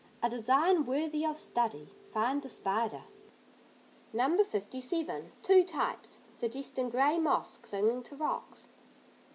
A design worthy of study. Find the spider. No. 57. Two types. Suggesting gray moss clinging to rocks.